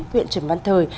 huyện trần văn thời